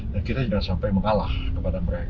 dan kita juga sampai mengalah kepada mereka